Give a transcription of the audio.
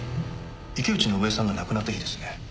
池内伸枝さんが亡くなった日ですね。